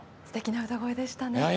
すてきな歌声でしたね。